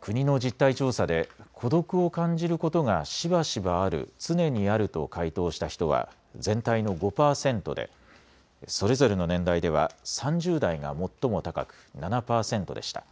国の実態調査で孤独を感じることがしばしばある・常にあると回答した人は全体の５％でそれぞれの年代では３０代が最も高く７％でした。